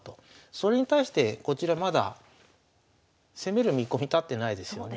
それに対してこちらまだ攻める見込み立ってないですよね。